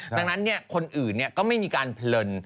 ดังนั้นเนี่ยคนอื่นเนี่ยก็ไม่มีการเพลิน